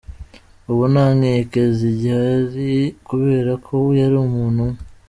"Ubu nta nkeke zigihari kubera ko yari umuntu umwe".